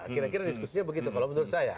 kira kira diskusinya begitu kalau menurut saya